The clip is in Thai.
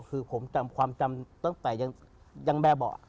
คือผมจำความจำตั้งแต่ยังแบบบอก